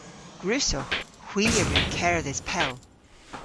Gwrussowgh. Hwi a wrug kerdhes pell.